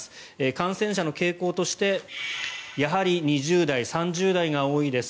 感染者の傾向としてやはり２０代、３０代が多いです